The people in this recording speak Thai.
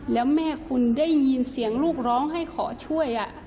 แล้วแม่คุณได้ยินเสียงลูกร้องให้ขอช่วย